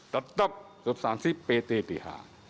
tetap substansi ptdh